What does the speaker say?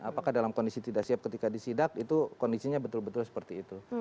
apakah dalam kondisi tidak siap ketika disidak itu kondisinya betul betul seperti itu